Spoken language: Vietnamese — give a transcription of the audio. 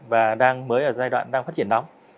và đang mới ở giai đoạn đang phát triển nóng